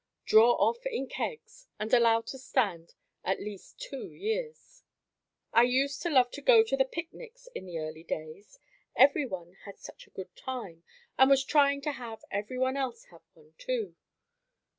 Draw off in kegs and allow to stand at least two years. I used to love to go to the picnics in the early days. Everyone had such a good time, and was trying to have everyone else have one, too.